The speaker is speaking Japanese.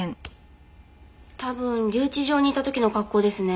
多分留置場にいた時の格好ですね。